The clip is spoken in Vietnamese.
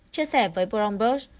chia sẻ với bloomberg